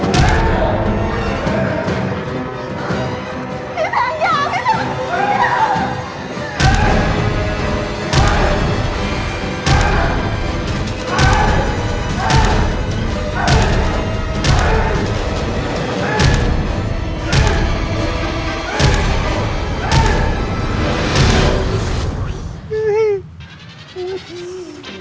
โอ้โอ้